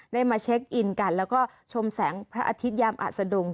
มาเช็คอินกันแล้วก็ชมแสงพระอาทิตยามอัศดุง